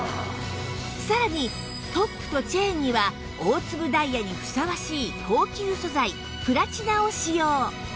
さらにトップとチェーンには大粒ダイヤにふさわしい高級素材プラチナを使用